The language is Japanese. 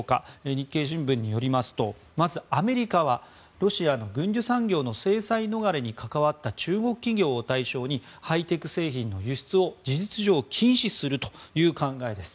日経新聞によるとまず、アメリカはロシアの軍需産業の制裁逃れに関わった中国企業を対象にハイテク製品の輸出を事実上禁止するという考えです。